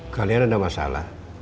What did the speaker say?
kalian ada masalah